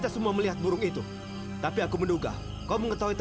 tawil bertahanlah tawil